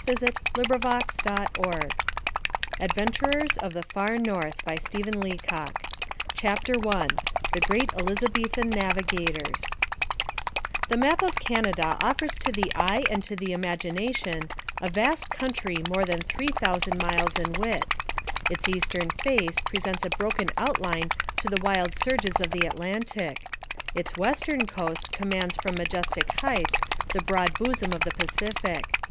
[Illustration: Routes of Explorers in the Far North] CHAPTER I THE GREAT ELIZABETHAN NAVIGATORS The map of Canada offers to the eye and to the imagination a vast country more than three thousand miles in width. Its eastern face presents a broken outline to the wild surges of the Atlantic. Its western coast commands from majestic heights the broad bosom of the Pacific.